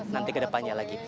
nanti kedepannya lagi